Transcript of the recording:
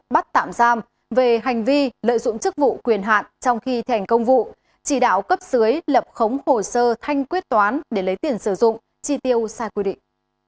bắt tạm giam về hành vi lợi dụng chức vụ quyền hạn trong khi thành công vụ chỉ đạo cấp dưới lập khống hồ sơ thanh quyết toán để lấy tiền sử dụng chi tiêu sai quy định